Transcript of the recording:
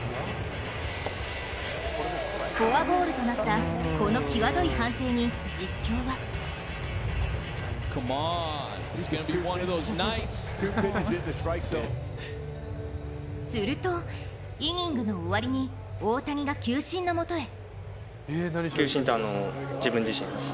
フォアボールとなったこのきわどい判定に実況はすると、イニングの終わりに大谷が球審のもとへ。